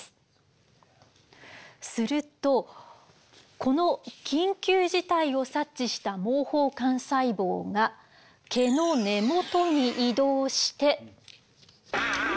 するとこの緊急事態を察知した毛包幹細胞が毛の根元に移動して。